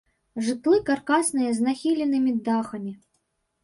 Жытлы каркасныя з нахіленымі дахамі.